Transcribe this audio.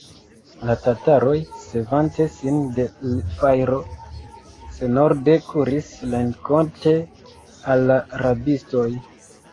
La tataroj, savante sin de l' fajro, senorde kuris renkonte al la rabistoj.